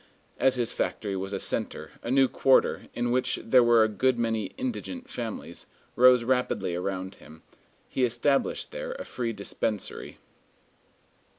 As his factory was a centre, a new quarter, in which there were a good many indigent families, rose rapidly around him; he established there a free dispensary.